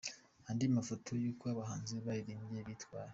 Andi mafoto y'uko abahanzi baririmbye bitwaye:.